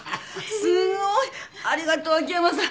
すごい！ありがとう秋山さん。